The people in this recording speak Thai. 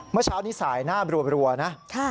เมื่อเช้านี้สายหน้ารัวนะ